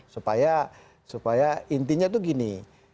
supaya intinya itu gini